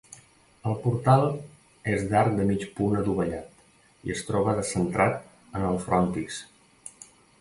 El portal és d'arc de mig punt adovellat i es troba descentrat en el frontis.